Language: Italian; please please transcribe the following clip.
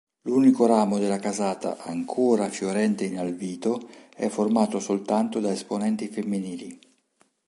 L'unico ramo della casata, ancora fiorente in Alvito, è formato soltanto da esponenti femminili..